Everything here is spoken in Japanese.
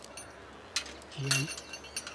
自愛